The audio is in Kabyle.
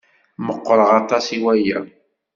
Meqqṛeɣ aṭas i waya.